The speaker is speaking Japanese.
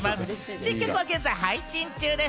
新曲は現在配信中です。